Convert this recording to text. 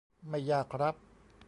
ไม่ยากครับ